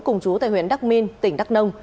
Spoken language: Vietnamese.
cùng chú tại huyện đắk minh tỉnh đắk nông